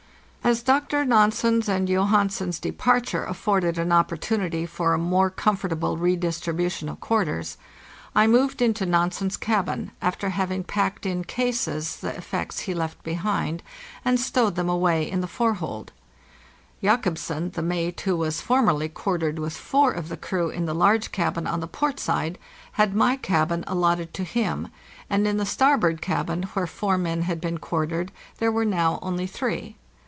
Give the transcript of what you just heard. As Dr. Nansen's and Johansen's departure afforded an op portunity for a more comfortable redistribution of quarters, I moved into Nansen's cabin, after having packed in cases the effects he left behind, and stowed them away in the fore hold. Jacobsen, the mate, who was formerly quartered with four of the crew in the large cabin on the port side, had my cabin al lotted to him; and in the starboard cabin, where four men had been quartered, there were now only three.